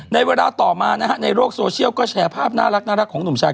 ในเวลาต่อมานะฮะในโลกโซเชียลก็แชร์ภาพน่ารักของหนุ่มชาย